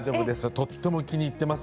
とても気に入っています。